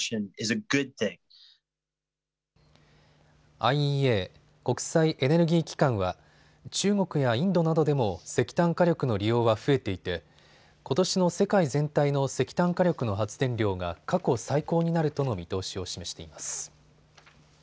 ＩＥＡ・国際エネルギー機関は中国やインドなどでも石炭火力の利用は増えていてことしの世界全体の石炭火力の発電量が過去最高になるとの見通しを示しています。